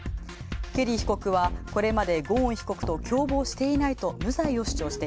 ケリー被告はこれまでゴーン被告と共謀していないと無罪を主張。